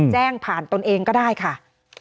แจ้งผ่านตนเองก็ได้ค่ะ